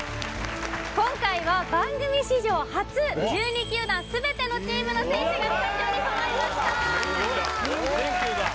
今回は番組史上初１２球団全てのチームの選手がスタジオに揃いました・すごいな全球団